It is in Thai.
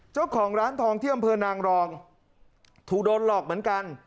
เจ้าของร้านทองที่อำเภอนางรองถูกโดนหลอกเหมือนกัน